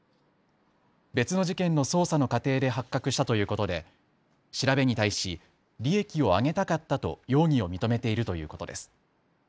別の事件の捜査の過程で発覚したということで調べに対し利益を上げたかったと容疑を認めているということです。